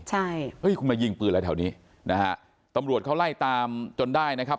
ใช่เฮ้ยคุณมายิงปืนอะไรแถวนี้นะฮะตำรวจเขาไล่ตามจนได้นะครับ